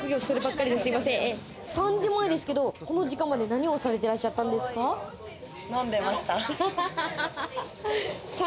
３時前ですけれども、この時間まで何をされてらっしゃったんです飲んでました。